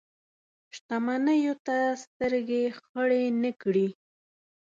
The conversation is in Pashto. شتمنیو ته سترګې خړې نه کړي.